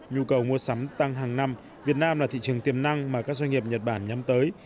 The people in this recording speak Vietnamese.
nhu cầu mua sắm tăng hàng năm việt nam là thị trường tiềm năng mà các doanh nghiệp nhật bản nhắm tới